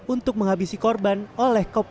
untuk menghabisi korban oleh kepala